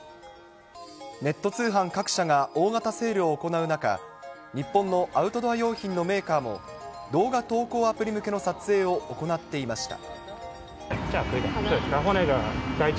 ネット通販各社が大型セールを行う中、日本のアウトドア用品のメーカーも、動画投稿アプリ向けの撮影を行っていました。